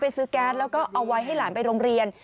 ซื้อแก๊สแล้วก็เอาไว้ให้หลานไปโรงเรียน